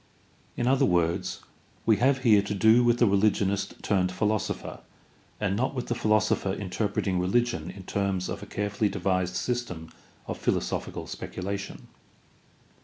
In other words , we have here to do with the religionist turned philosopher and not with the philosopher interpreting religion in terms of a carefully devised system of philosophical speculation.